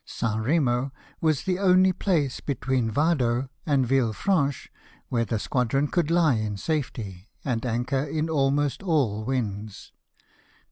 St. Eemo was the only place between Yado and Ville Franche ^vhere the squadron could he in safety, and anchor in almost all winds.